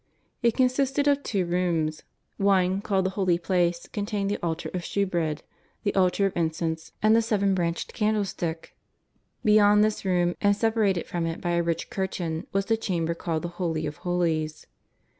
It consisted of two rooms; one called the Holy Place contained the altar of shew bread, the altar of incense and the seven branched can dlestick. Beyond this room, and separated from it by a rich curtain, was the chamber called the Holy of Holies.